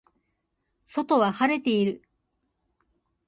外は晴れている